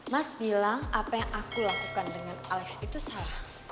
mas bilang apa yang aku lakukan dengan alex itu salah